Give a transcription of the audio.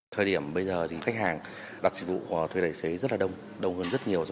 thời điểm bây giờ thì khách hàng đặt dịch vụ thuê đại sứ rất là đông đông hơn rất nhiều